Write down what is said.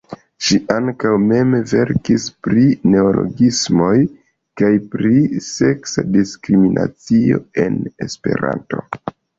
Ŝi ankaŭ mem verkis pri "neologismoj" kaj pri "seksa diskriminacio" en Esperanto.